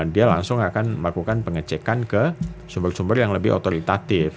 dia langsung akan melakukan pengecekan ke sumber sumber yang lebih otoritatif